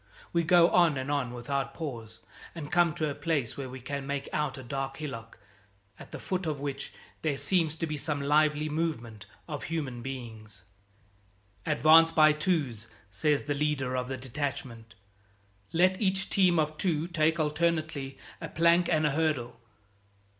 We go on and on without pause, and come to a place where we can make out a dark hillock, at the foot of which there seems to be some lively movement of human beings. "Advance by twos," says the leader of the detachment. "Let each team of two take alternately a plank and a hurdle."